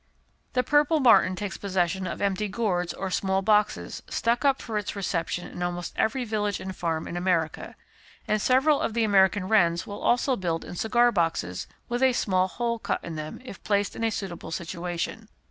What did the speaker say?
The purple martin takes possession of empty gourds or small boxes, stuck up for its reception in almost every village and farm in America; and several of the American wrens will also build in cigar boxes, with a small hole cut in them, if placed in a suitable situation.